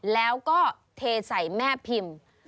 แล้วก็เทใส่แม่พิมพ์